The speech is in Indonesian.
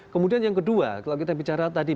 kemudian yang kedua kalau kita bicara tadi